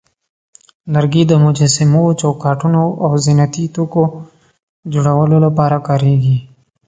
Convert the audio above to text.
لرګي د مجسمو، چوکاټونو، او زینتي توکو جوړولو لپاره کارېږي.